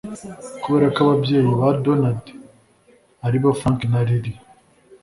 kubera ko ababyeyi ba donald ari bo frank na lily